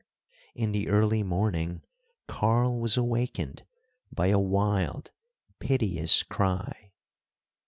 In the early morning, Karl was awakened by a wild, piteous cry.